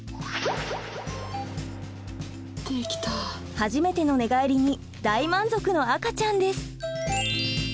初めての寝返りに大満足の赤ちゃんです。